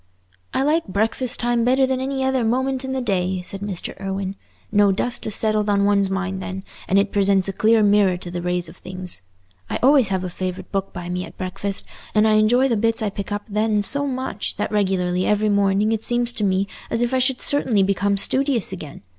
"I like breakfast time better than any other moment in the day," said Mr. Irwine. "No dust has settled on one's mind then, and it presents a clear mirror to the rays of things. I always have a favourite book by me at breakfast, and I enjoy the bits I pick up then so much, that regularly every morning it seems to me as if I should certainly become studious again.